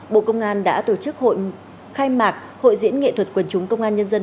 bộ công an đã tổ chức khai mạc hội diễn nghệ thuật quần chúng công an nhân dân